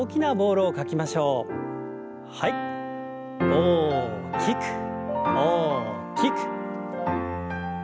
大きく大きく。